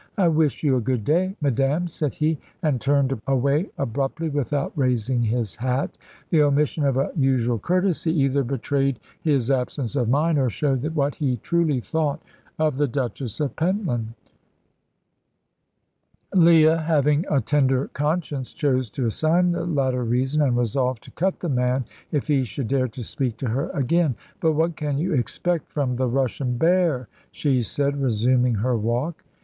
"I wish you a good day, madame," said he, and turned away abruptly without raising his hat. The omission of a usual courtesy either betrayed his absence of mind, or showed what he truly thought of the Duchess of Pentland. Leah, having a tender conscience, chose to assign the latter reason, and resolved to cut the man if he should dare to speak to her again. "But what can you expect from the Russian bear?" she said, resuming her walk.